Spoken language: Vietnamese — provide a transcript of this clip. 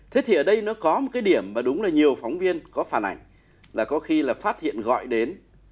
thế thì ở đây nó có một cái điểm mà đúng là nhiều phóng viên có phản ảnh là có khi là phát hiện gọi đến